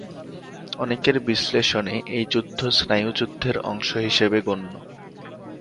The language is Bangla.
অনেকের বিশ্লেষণে এই যুদ্ধ স্নায়ুযুদ্ধের অংশ হিসেবে গণ্য।